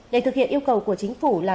để thực hiện yêu cầu của chính phủ là